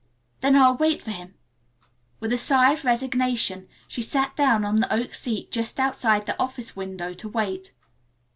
"Then I'll wait for him." With a sigh of resignation she sat down on the oak seat just outside the office window to wait.